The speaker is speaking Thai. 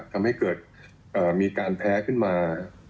ทำให้เกิดมีการแพ้ขึ้นมา